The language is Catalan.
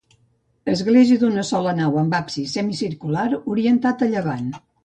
Església d'una sola nau amb absis semicircular orientat a llevant.